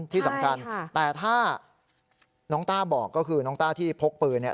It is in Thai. ที่สำคัญแต่ถ้าน้องต้าบอกก็คือน้องต้าที่พกปืนเนี่ย